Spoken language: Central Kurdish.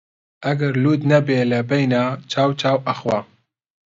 ئەگەر لووت نەبێ لەبەینا، چاو چاو ئەخوا